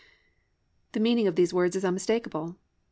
"+ The meaning of these words is unmistakable.